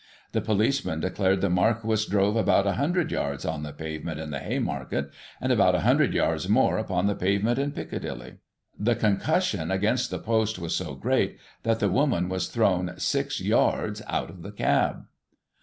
The policeman declared the Marquis drove about 100 yards on the pavement in the Haymarket, and about 100 yards more upon the pavement in Piccadilly. The concus sion against the post was so great, that the woman was thrown six yards out of the cab.